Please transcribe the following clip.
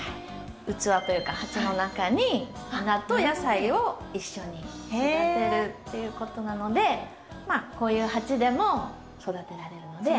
器というか鉢の中に花と野菜を一緒に育てるっていうことなのでまあこういう鉢でも育てられるので。